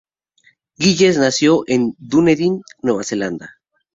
Gillies nació en Dunedin, Nueva Zelanda.